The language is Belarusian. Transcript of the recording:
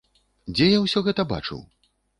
Дзе я ўсё гэта бачыў?